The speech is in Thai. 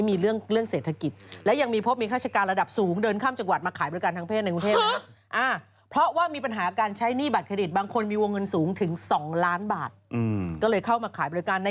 มีแค่อาทิตย์ได้เยอะดวงเท่าไร